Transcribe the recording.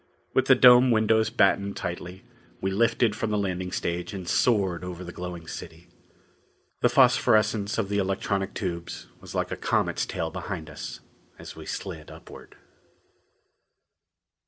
With the dome windows battened tightly, we lifted from the landing stage and soared over the glowing city. The phosphorescence of the electronic tubes was like a comet's tail behind us as we slid upward.